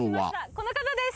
この方です。